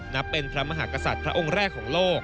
นับเป็นพระมหากษัตริย์พระองค์แรกของโลก